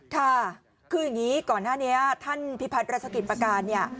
ค่ะคืออย่างนี้ก่อนหน้านี้ท่านพิพัฒน์รัชกิจประการเนี่ย